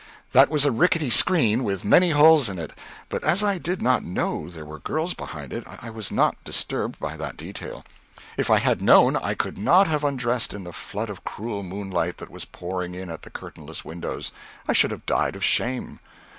That was a rickety screen, with many holes in it, but as I did not know there were girls behind it, I was not disturbed by that detail. If I had known, I could not have undressed in the flood of cruel moonlight that was pouring in at the curtainless windows; I should have died of shame.